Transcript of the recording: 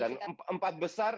dan empat besar